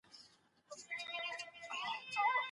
پايلې له سواهدو اخيستل کيږي.